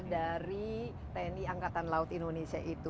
dari tni angkatan laut indonesia itu